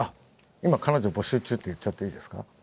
今彼女募集中って言っちゃっていいですか？